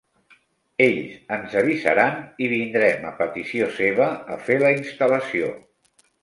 Ells ens avisaran i vindrem a petició seva a fer la instal·lació.